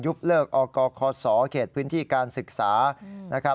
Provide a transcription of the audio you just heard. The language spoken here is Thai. ยุบเลิกออกกคศเขตพื้นที่การศึกษา